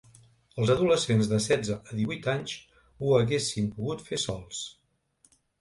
Els adolescents de setze a divuit anys ho haguessin pogut fer sols.